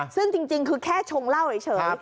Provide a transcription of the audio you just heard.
ซึ่งจริงคือแค่ชงเหล้าเฉย